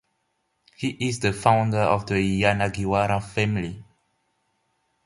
He is the founder of the Yanagiwara family.